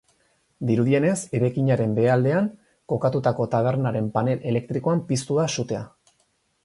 Dirudienez, eraikinaren behealdean kokatutako tabernaren panel elektrikoan piztu da sutea.